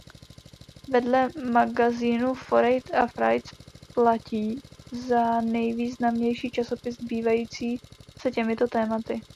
Vedle magazínu Foreign Affairs platí za nejvýznamnější časopis zabývající se těmito tématy.